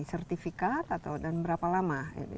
sertifikat atau dan berapa lama training itu biasanya di